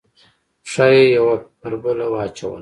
پښه یې یوه پر بله واچوله.